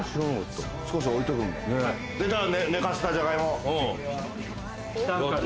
じゃあ寝かせたジャガイモ。